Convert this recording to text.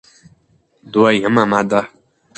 دوه یمه ماده: